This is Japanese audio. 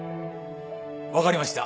分かりました。